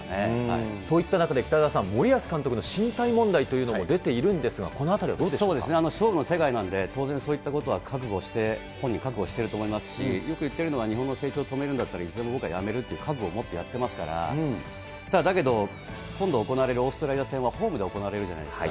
そういった中で北澤さん、森保監督の進退問題というのも出てるんですが、このあたりはどう勝負の世界なので当然そういったことは覚悟して、本人覚悟してると思いますし、よく言ってるのは、日本の成長を止めるんだったらいつでも僕は辞めるという覚悟を持ってやってますから、だけど今度行われるオーストラリア戦は、ホームで行われるじゃないですか。